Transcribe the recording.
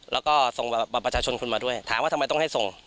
แล้วก็ส่งบัตรประชาชนคุณมาด้วยถามว่าทำไมต้องให้ส่ง